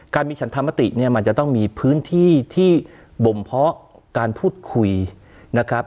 มีฉันธรรมติเนี่ยมันจะต้องมีพื้นที่ที่บ่มเพาะการพูดคุยนะครับ